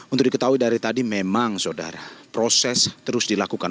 untuk diketahui dari tadi memang saudara proses terus dilakukan